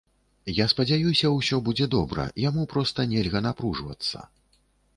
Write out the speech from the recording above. Я спадзяюся, будзе ўсё добра, яму проста нельга напружвацца.